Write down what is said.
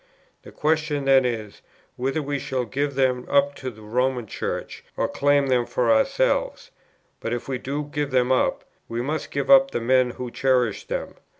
The question then is, whether we shall give them up to the Roman Church or claim them for ourselves.... But if we do give them up, we must give up the men who cherish them.